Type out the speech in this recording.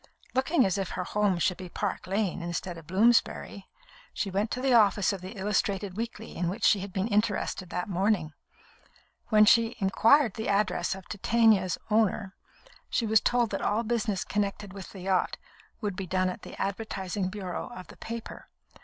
Looking as if her home should be Park Lane instead of Bloomsbury, she went to the office of the illustrated weekly in which she had been interested that morning. When she inquired the address of Titania's owner, she was told that all business connected with the yacht would be done at the advertising bureau of the paper.